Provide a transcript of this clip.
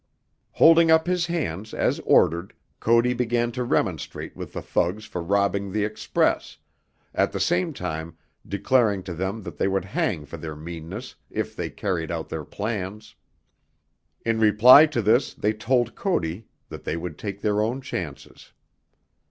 Holding up his hands as ordered, Cody began to remonstrate with the thugs for robbing the express, at the same time declaring to them that they would hang for their meanness if they carried out their plans. In reply to this they told Cody that they would take their own chances.